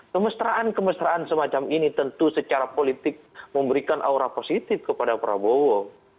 kemesraan kemesraan semacam ini tentu secara politik memberikan aura positif kepada prabowo